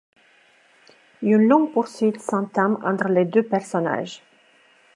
Une longue poursuite s'entame entre les deux personnages.